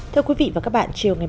thưa quý vị và các bạn